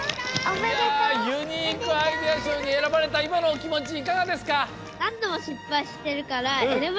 ユニークアイデアしょうにえらばれたいまのおきもちいかがですか？